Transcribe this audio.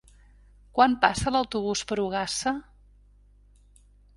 Quan passa l'autobús per Ogassa?